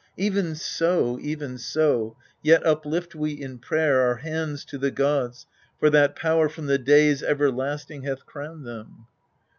Even so even so ! yet uplift we in prayer Our hands to the gods, for that power from the days everlasting hath crowned them.